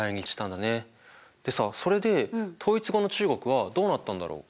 でさそれで統一後の中国はどうなったんだろう？